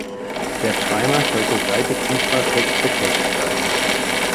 Der Primer sollte drei bis fünfmal kurz betätigt werden.